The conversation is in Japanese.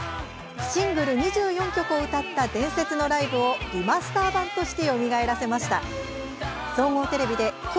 シングル２４曲を歌った伝説のライブをリマスター版としてよみがえらせました。